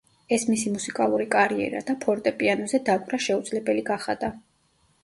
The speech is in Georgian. ეს მისი მუსიკალური კარიერა და ფორტეპიანოზე დაკვრა შეუძლებელი გახადა.